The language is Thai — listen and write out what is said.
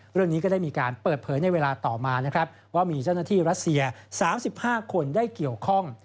เรื่องนี้ก็ได้มีการเปิดเผยในเวลาต่อมานะครับว่ามีเจ้าหน้าที่รัสเซีย๓๕คนได้เกี่ยวข้อง